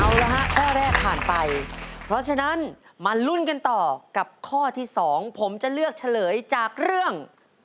เอาละฮะข้อแรกผ่านไปเพราะฉะนั้นมาลุ้นกันต่อกับข้อที่๒ผมจะเลือกเฉลยจากเรื่อง